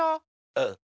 うん！